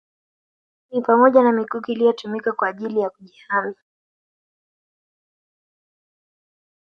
Ni pamoja na mikuki iliyotumika kwa ajili ya kujihami